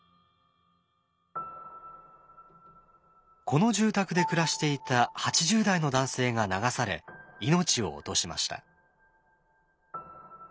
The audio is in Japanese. この住宅で暮らしていた８０代の男性が流され命を落としました。